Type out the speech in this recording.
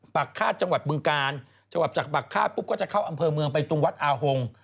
ปากฆาตจังหวัดบึงกาลจังหวัดจากปากฆาตปุ๊บก็จะเข้าอำเภอเมืองไปตรงวัดอาหง